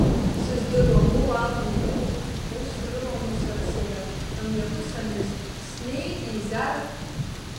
Сыздыруам уи уалны ирыду, ус рымаму сара сыда, мҩакы саныз, снеит еизарак…